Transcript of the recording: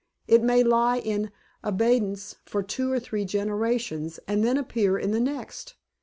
It may lie in abeyance for two or three generations, and then appear in the next.